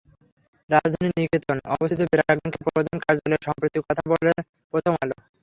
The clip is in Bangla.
রাজধানীর নিকেতনে অবস্থিত ব্র্যাক ব্যাংকের প্রধান কার্যালয়ে সম্প্রতি কথা বলে প্রথম আলো।